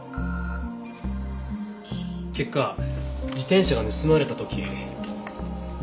結果自転車が盗まれた時。